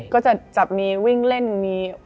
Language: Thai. ก็จะจับนี้วิ่งเล่นอย่างนี้